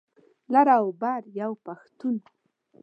لر او بر یو پښتون.